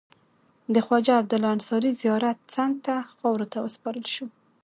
د خواجه عبدالله انصاري زیارت څنګ ته خاورو ته وسپارل شو.